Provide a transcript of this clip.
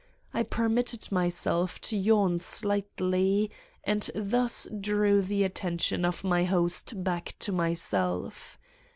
I permitted myself to yawn slightly and thus drew the attention of my host back to myself.